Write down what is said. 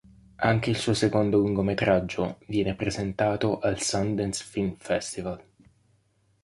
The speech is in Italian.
Anche il suo secondo lungometraggio viene presentato al Sundance Film Festival.